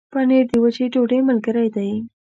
پنېر د وچې ډوډۍ ملګری دی.